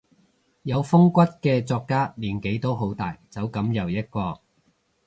有風骨嘅作家年紀都好大，走噉又一個